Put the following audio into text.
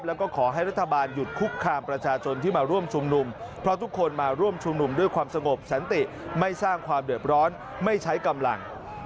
แล้วก็ขอให้รัฐบาลหยุดคุกคามประชาชนที่มาร่วมชุมนุมเพราะทุกคนมาร่วมชุมนุมด้วยความสงบสันติไม่สร้างความเดือดร้อนไม่ใช้กำลัง